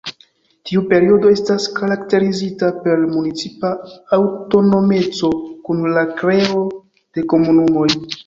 Tiu periodo estas karakterizita per municipa aŭtonomeco, kun la kreo de komunumoj.